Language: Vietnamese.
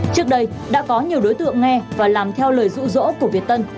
trước đây đã có nhiều đối tượng nghe và làm theo lời dụ dỗ của việt tân